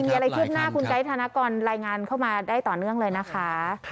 มีอะไรขึ้นหน้ากับคุณไกรฐานากรลายงานเข้ามาได้ต่อเนื่องเลยค่ะ